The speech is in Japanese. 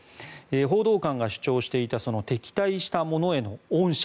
報道官が主張していた敵対した者への恩赦。